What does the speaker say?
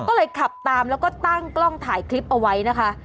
ก็เลยขับตามแล้วก็ตั้งกล้องถ่ายคลิปเอาไว้นะคะ